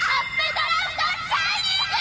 ドラフト・シャイニング！